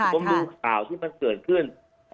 ผมดูข่าวที่มันเกิดขึ้น